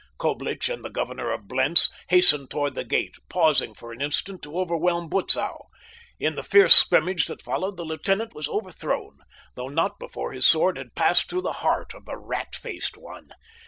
Coblich and the governor of Blentz hastened toward the gate, pausing for an instant to overwhelm Butzow. In the fierce scrimmage that followed the lieutenant was overthrown, though not before his sword had passed through the heart of the rat faced one.